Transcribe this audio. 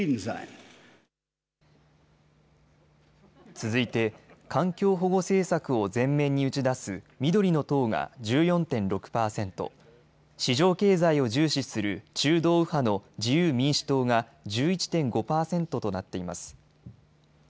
続いて環境保護政策を前面に打ち出す緑の党が１４．６％、市場経済を重視する中道右派の自由民主党が１１．５％となっています。